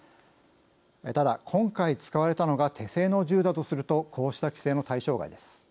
ただ今回、使われたのが手製の銃だとするとこうした規制の対象外です。